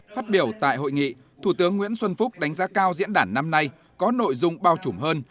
phát biểu tại hội nghị thủ tướng nguyễn xuân phúc đánh giá cao diễn đàn năm nay có nội dung bao trùm hơn